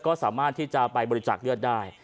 ก็สามารถที่จะไปบริจาคเลือดได้